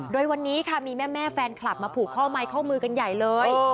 โดยวันนี้ค่ะมีแม่แฟนคลับมาผูกข้อไม้ข้อมือกันใหญ่เลย